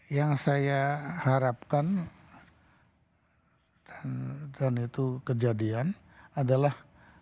yang saya harapkan dan itu kejadian adalah